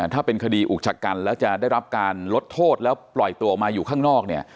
ถ้าเป็นคดีอุกชะกันแล้วจะได้รับการลดโทษแล้วปล่อยตัวออกมาอยู่ข้างนอกเนี่ย